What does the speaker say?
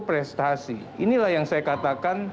prestasi inilah yang saya katakan